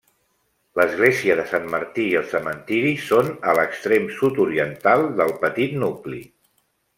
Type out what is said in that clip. L'església de Sant Martí i el cementiri són a l'extrem sud-oriental del petit nucli.